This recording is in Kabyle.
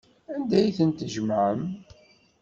Anda ay ten-tjemɛem?